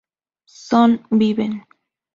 Son "¡Viven!